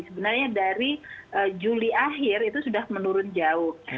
sebenarnya dari juli akhir itu sudah menurun jauh